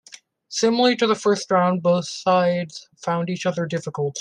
Similarly to the first round, both sides found each other difficult.